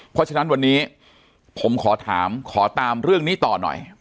เพราะฉะนั้นวันนี้ผมขอถามขอตามเรื่องนี้ต่อหน่อย